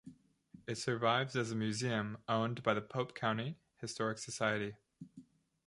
It survives as a museum owned by the Pope County Historic Society.